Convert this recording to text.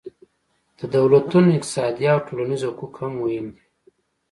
د دولتونو اقتصادي او ټولنیز حقوق هم مهم دي